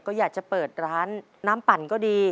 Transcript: ก็อยากจะเปิดร้านน้ำปั่นก็ดี